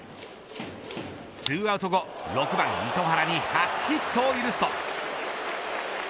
２アウト後６番、糸原に初ヒットを許すと。